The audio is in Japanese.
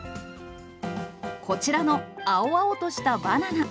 こちらの青々としたバナナ。